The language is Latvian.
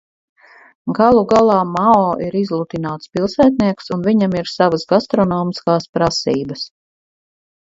Galu galā Mao ir izlutināts pilsētnieks un viņam ir savas gastronomiskās prasības.